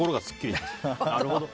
なるほど。